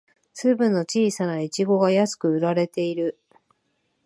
粒の小さなイチゴが安く売られている